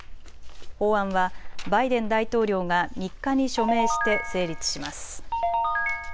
法案はバイデン大統領が３日に署名して成立します。